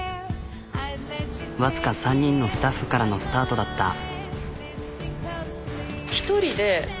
わずか３人のスタッフからのスタートだった。